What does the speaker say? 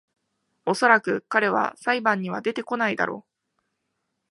おそらく彼は裁判には出てこないだろ